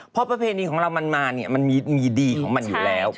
เพราะประเพณีของเรามันมาเนี่ยมันมีดีของมันอยู่แล้ว